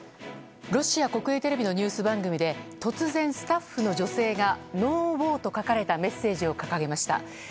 ロシア国営テレビのニュース番組で突然、スタッフの女性が「ＮＯＷＡＲ」と書かれたメッセージを掲げました。